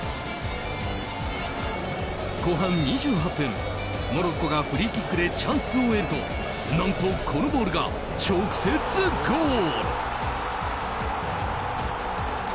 後半２８分モロッコがフリーキックでチャンスを得ると何とこのボールが直接ゴール！